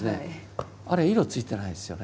あれ色ついてないですよね。